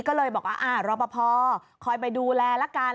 ก็เลยบอกว่าอ่ารบพอคอยไปดูแลแล้วกัน